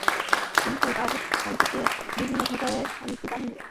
কিন্তু তাঁর শান্তিতে বিঘ্ন ঘটান শান্তিবাহিনী—পিস কোরের একসময়কার সদস্য ক্লিনটন বুথ সিলি।